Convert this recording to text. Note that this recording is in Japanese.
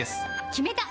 決めた！